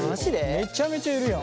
めちゃめちゃいるやん。